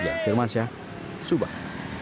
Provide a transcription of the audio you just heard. dan firmasya subang